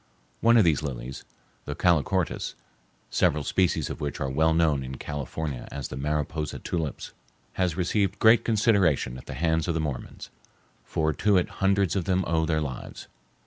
One of these lilies, the calochortus, several species of which are well known in California as the "Mariposa tulips," has received great consideration at the hands of the Mormons, for to it hundreds of them owe their lives.